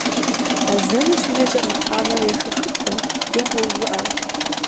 Азэныр щыджэкӏэ макъамэр ешэхыпэ е гъэувыӏэ.